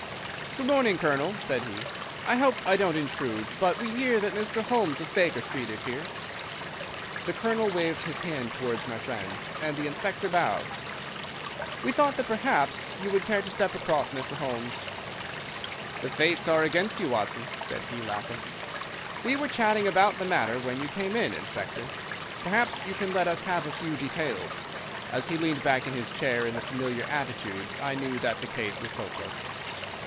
"Good morning, Colonel," said he; "I hope I don't intrude, but we hear that Mr. Holmes of Baker Street is here." The Colonel waved his hand towards my friend, and the Inspector bowed. "We thought that perhaps you would care to step across, Mr. Holmes." "The fates are against you, Watson," said he, laughing. "We were chatting about the matter when you came in, Inspector. Perhaps you can let us have a few details." As he leaned back in his chair in the familiar attitude I knew that the case was hopeless.